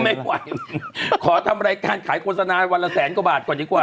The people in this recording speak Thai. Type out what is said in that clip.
ไม่ไหวขอทำรายการขายโฆษณาวันละแสนกว่าบาทก่อนดีกว่า